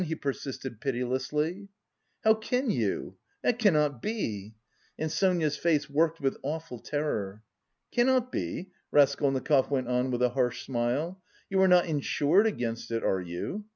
he persisted pitilessly. "How can you? That cannot be!" And Sonia's face worked with awful terror. "Cannot be?" Raskolnikov went on with a harsh smile. "You are not insured against it, are you?